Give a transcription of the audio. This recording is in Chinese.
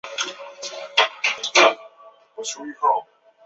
传言说下一个受害者将是常青外语高中的学生。